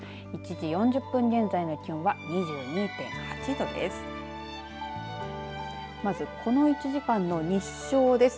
１時４０分現在の気温は２２．８度です。